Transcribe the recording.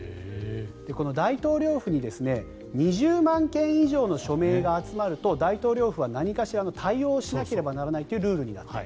この大統領府に２０万件以上の署名が集まると大統領府は何かしらの対応をしなければならないというルールになっている。